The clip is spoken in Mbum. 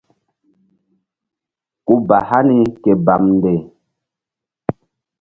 Ku ba hani ke bamnde.